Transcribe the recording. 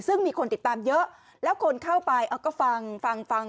ซึ่งมีคนติดตามเยอะแล้วคนเข้าไปเอาก็ฟังฟังฟังฟัง